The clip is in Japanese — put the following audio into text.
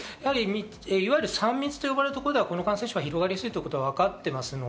いわゆる３密というところではこの感染症が広がりやすいことは分かっています。